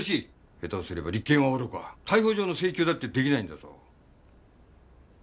下手をすれば立件はおろか逮捕状の請求だって出来ないんだぞ。